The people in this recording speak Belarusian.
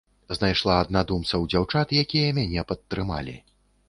Знайшла аднадумцаў-дзяўчат, якія мяне падтрымалі.